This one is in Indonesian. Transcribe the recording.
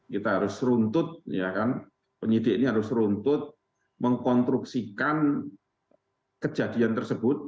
kita harus runtut penyidik ini harus runtut mengkonstruksikan kejadian tersebut